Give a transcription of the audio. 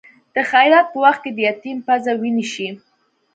د خیرات په وخت کې د یتیم پزه وینې شي.